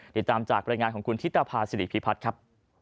ติดตามจากบรรยายงานของคุณธิตภาษิริพิพัฒน์ครับ